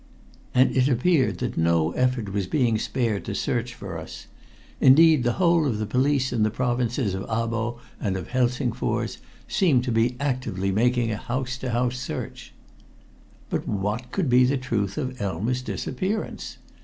And it appeared that no effort was being spared to search for us. Indeed, the whole of the police in the provinces of Abo and of Helsingfors seemed to be actively making a house to house search. But what could be the truth of Elma's disappearance?